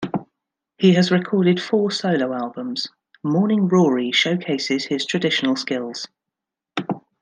He has recorded four solo albums: "Morning Rory" showcases his traditional skills.